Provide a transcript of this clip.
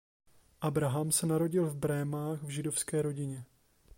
Abraham se narodil v Brémách v židovské rodině.